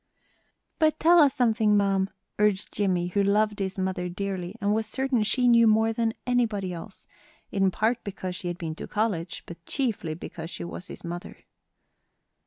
"But tell us something, mum," urged Jimmie, who loved his mother dearly, and was certain she knew more than anybody else, in part because she had been to college, but chiefly because she was his mother.